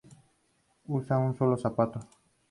Usa un solo zapato.